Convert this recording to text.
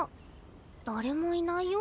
誰もいないよ？